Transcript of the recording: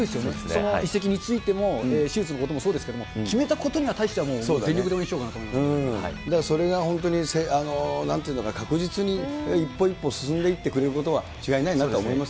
その移籍についても、手術のこともそうですけど、決めたことに対しては全力でだからそれが本当になんていうのか、確実に一歩一歩進んでいってくれることは違いないなとは思います